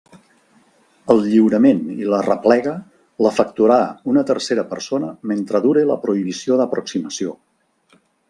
El lliurament i la replega l'efectuarà una tercera persona mentre dure la prohibició d'aproximació.